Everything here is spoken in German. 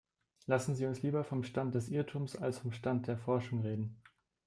Lassen Sie uns lieber vom Stand des Irrtums als vom Stand der Forschung reden.